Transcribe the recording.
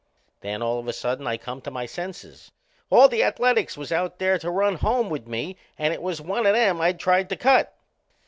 Then, all of a sudden, I come to my senses. All the Ath a letics was out there to run home with me and it was one o' them I'd tried to cut.